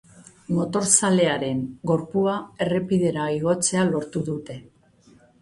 Motorzalearen gorpua errepidera igotzea lortu dute.